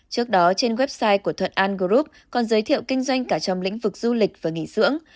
trước đó trên website của thuận an group còn giới thiệu kinh doanh cả trong lĩnh vực du lịch và nghỉ dưỡng